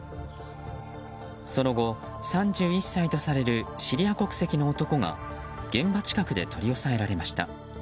その後、３１歳とされるシリア国籍の男が現場近くで取り押さえられました。